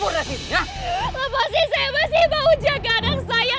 lepasi saya masih mau jaga anak saya